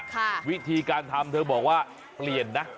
วิธีการทำเธอบอกว่าเปลี่ยนนะ